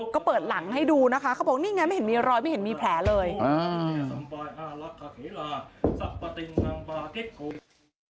ก็เปิดหลังให้ดูนะคะเขาบอกนี่ไงไม่เห็นมีรอยไม่เห็นมีแผลเลย